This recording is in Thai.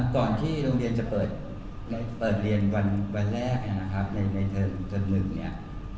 ก่อนที่โรงเรียนจะเปิดเรียนวันแรกนะครับในเทอม๑เนี่ย